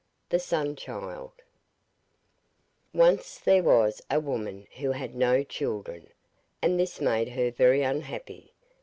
The Sunchild Once there was a woman who had no children, and this made her very unhappy.